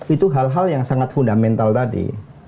itu hal hal yang sangat fundamental tadi